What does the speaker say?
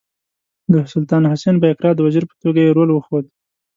د سلطان حسین بایقرا د وزیر په توګه یې رول وښود.